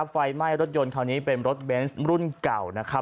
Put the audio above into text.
ไฟไหม้รถยนต์ค่อนนี้เป็นรถเบนท์รุ่นเก่า